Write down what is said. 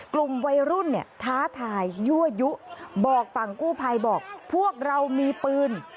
กลุ่มวัยรุ่นเนี่ยท้าทายยั่วยุบอกฝั่งกู้ภัยบอกพวกเรามีปืน